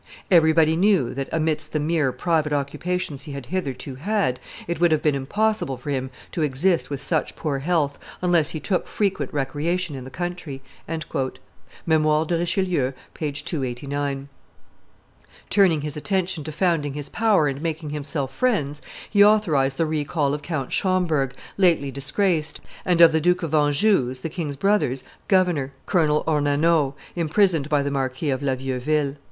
"Everybody knew that, amidst the mere private occupations he had hitherto had, it would have been impossible for him to exist with such poor health, unless he took frequent recreation in the country." [Memoires de Richelieu, t. ii. p. 289.] Turning his attention to founding his power and making himself friends, he authorized the recall of Count Schomberg, lately disgraced, and of the Duke of Anjou's, the king's brother's, governor, Colonel Ornano, imprisoned by the Marquis of La Vieuville.